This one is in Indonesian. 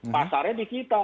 masalahnya di kita